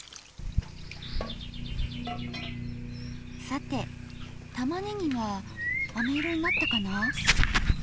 さてたまねぎはあめ色になったかな？